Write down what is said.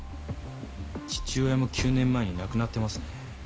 父親も９年前に亡くなってますね。